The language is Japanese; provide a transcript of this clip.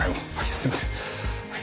すいませんはい。